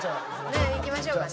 ねえ行きましょうかね。